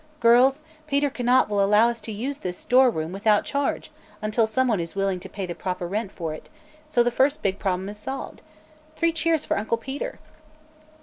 Girls, Peter Conant will allow us to use this store room without charge until someone is willing to pay the proper rent for it, and so the first big problem is solved. Three cheers for Uncle Peter!"